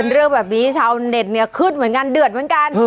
เรื่องแบบนี้ชาวเน็ตเนี่ยขึ้นเหมือนกันเดือดเหมือนกัน